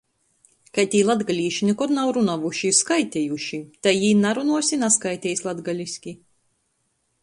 Kai tī latgalīši nikod nav runuojuši i skaitejuši, tai jī narunuos i naskaiteis latgaliski.